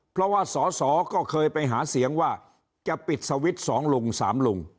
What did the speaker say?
เพราะว่าสอสอก็เคยไปหาเสียงว่าจะปิดสวิตช์๒ลุง๓ลุง